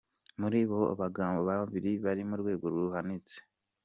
Muri bo abagabo babiri bari mu rwego ruhanitse.